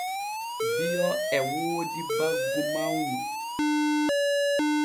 Bio e woodi baggu mawnu.